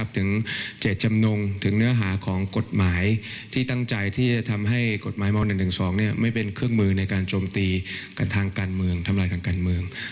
ถึงเจตจำนงถึงเนื้อหาของกฎหมายที่ตั้งใจที่จะทำให้กฎหมายม๑๑๒ไม่เป็นเครื่องมือในการโจมตีกันทางการเมืองทำลายทางการเมือง